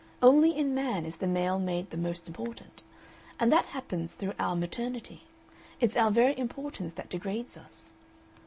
Only in man is the male made the most important. And that happens through our maternity; it's our very importance that degrades us.